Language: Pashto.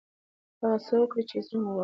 هغه څه وکړئ چې زړه مو غواړي.